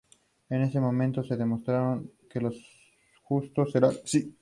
En ese momento, se demostrará que los justos serán así.